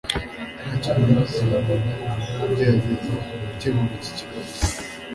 Ntacyo bimaze kugerageza gukemura iki kibazo